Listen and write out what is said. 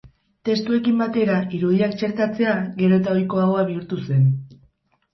Testuekin batera irudiak txertatzea, gero eta ohikoagoa bihurtu zen.